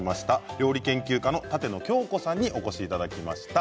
料理研究家の舘野鏡子さんにお越しいただきました。